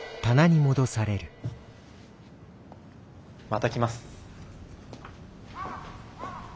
また来ます。